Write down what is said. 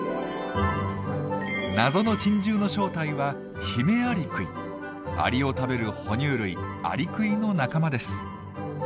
謎の珍獣の正体はアリを食べる哺乳類アリクイの仲間です。